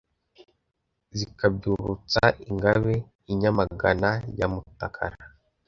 Zikabyukurutsa Ingabe, I Nyamagana ya Mutakara,